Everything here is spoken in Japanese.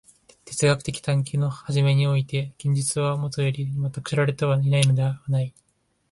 哲学的探求の初めにおいて現実はもとより全く知られていないのではない。